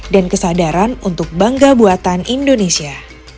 dan kesadaran untuk bangga buatan indonesia